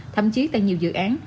thậm chí tại nhiều dự án